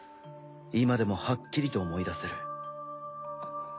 今でもはっきりと思い出せる。